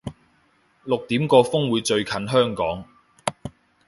六點個風會最近香港